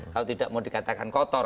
kalau tidak mau dikatakan kotor